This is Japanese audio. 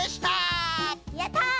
やった！